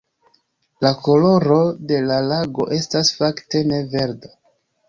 La koloro de la lago estas, fakte, ne verda.